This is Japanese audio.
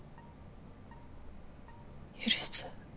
許す？